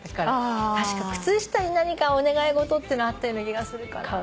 確か靴下に何かお願い事ってのあったような気がするから。